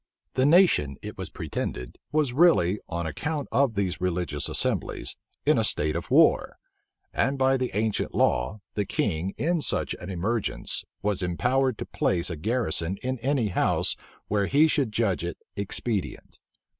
The nation, it was pretended, was really, on account of these religious assemblies, in a state of war; and by the ancient law, the king, in such an emergence, was empowered to place a garrison in any house where he should judge it expedient.